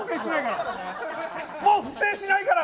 もう不正しないから。